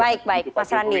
baik baik mas rani